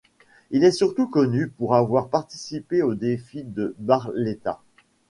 Il est surtout connu pour avoir participé au défi de Barletta.